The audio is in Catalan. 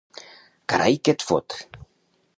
Carai que et fot!